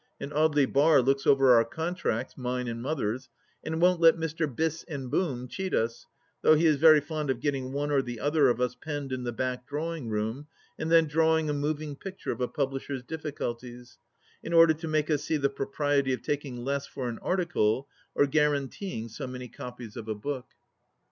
And Audely Bar looks over our contracts — mine and Mother's— and won't let Mr. Biss (and Boom) cheat us, though he is very fond of getting one or the other of us penned in the back drawing room, and then drawing a moving picture of a publisher's difficulties, in order to make us see the propriety of taking less for an article or guaranteeing so many copies of a book.